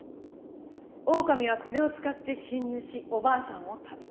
オオカミはこれを使って侵入しおばあさんを食べた。